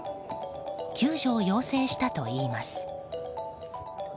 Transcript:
救助を要請したといいます。